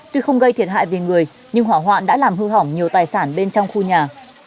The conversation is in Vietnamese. tuy không gây thiệt hại về người nhưng hỏa hoạn đã làm hư hỏng nhiều tài sản bên trong khu nhà